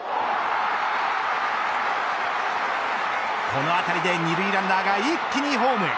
この当たりで二塁ランナーが一気にホームへ。